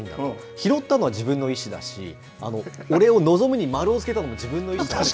拾ったのは自分の意思だし、お礼を望むに丸をつけたのも自分の意思だと。